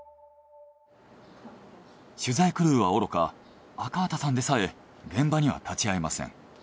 取材クルーはおろか赤畑さんでさえ現場には立ち会えません。